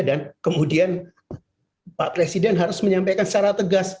dan kemudian pak presiden harus menyampaikan secara tegas